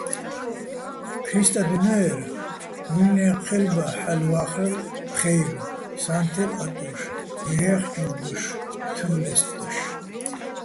ქრისტადვინო́ერ, მუჲლნე́ჴელბა ჰ̦ალო̆ ვა́ხრალო̆ ფხე́ილო, სა́ნთელ აკჲოშ, ჲუჰ̦ეხჯორ დოშ, თურ ლე́სტდოშ.